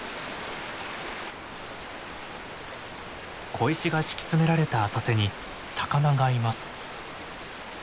小石が敷き詰められた浅瀬に魚がいます。